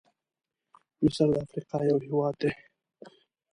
مصرد افریقا یو هېواد دی.